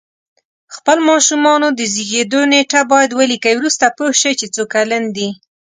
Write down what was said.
خپل ماشومانو د زیږېدو نېټه باید ولیکئ وروسته پوه شی چې څو کلن دی